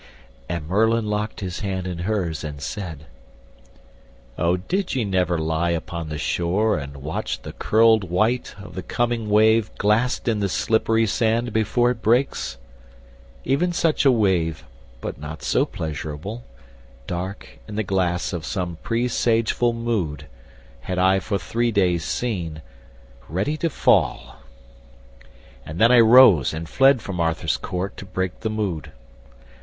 And Merlin locked his hand in hers and said: "O did ye never lie upon the shore, And watch the curled white of the coming wave Glassed in the slippery sand before it breaks? Even such a wave, but not so pleasurable, Dark in the glass of some presageful mood, Had I for three days seen, ready to fall. And then I rose and fled from Arthur's court To break the mood.